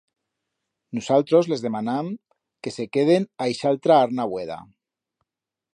Nusaltros les demanam que se queden a ixaltra arna vueda.